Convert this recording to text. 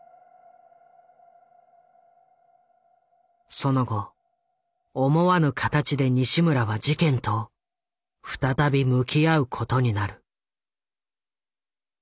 その後思わぬ形で西村は事件と再び向き合うことになる。